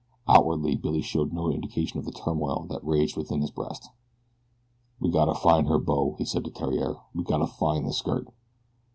Outwardly Billy showed no indication of the turmoil that raged within his breast. "We gotta find her, bo," he said to Theriere. "We gotta find the skirt."